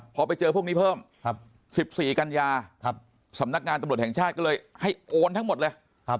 พอไปเจอพวกนี้เพิ่ม๑๔กันยาสำนักงานตำรวจแห่งชาติก็เลยให้โอนทั้งหมดเลย